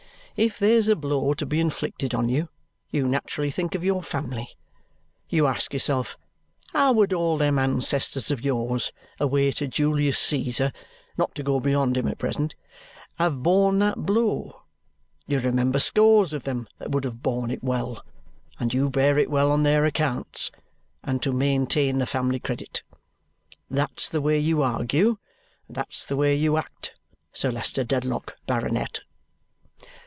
If there's a blow to be inflicted on you, you naturally think of your family. You ask yourself, how would all them ancestors of yours, away to Julius Caesar not to go beyond him at present have borne that blow; you remember scores of them that would have borne it well; and you bear it well on their accounts, and to maintain the family credit. That's the way you argue, and that's the way you act, Sir Leicester Dedlock, Baronet."